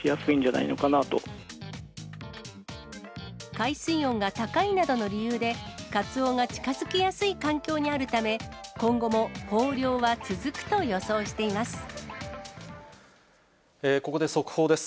海水温が高いなどの理由で、カツオが近づきやすい環境にあるため、今後も豊漁は続くと予想しここで速報です。